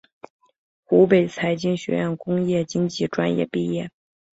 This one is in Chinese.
湖北财经学院工业经济专业毕业。